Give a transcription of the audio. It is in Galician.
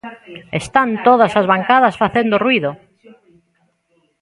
Están todas as bancadas facendo ruído.